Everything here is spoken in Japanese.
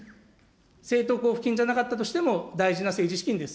政党交付金じゃなかったとしても大事な政治資金です。